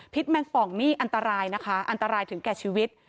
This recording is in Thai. แมงป่องนี่อันตรายนะคะอันตรายถึงแก่ชีวิต